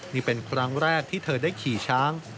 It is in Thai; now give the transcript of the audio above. นี่เป็นครั้งแรกที่เธอได้ขี่ช้าง